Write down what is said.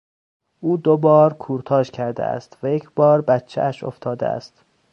او دوبار کورتاژ کرده است و یک بار بچهاش افتاده است.